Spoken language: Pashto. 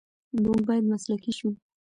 موږ باید مسلکي شو.